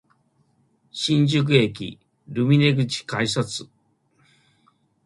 新宿駅ルミネ口改札